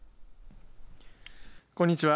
こんにちは。